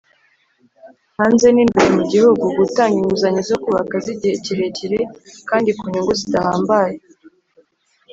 Hanze n imbere mu gihugu gutanga inguzanyo zo kubaka z igihe kirekire kandi ku nyungu zidahambaye